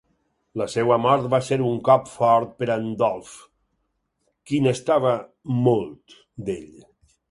La seva mort va ser un cop fort per a en Dolf, qui n'estava molt, d'ell.